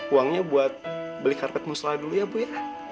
uangnya buat beli karpet musrah dulu ya bu ya